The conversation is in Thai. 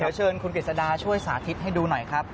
เดี๋ยวเชิญคุณกฤษดาช่วยสาธิตให้ดูหน่อยครับ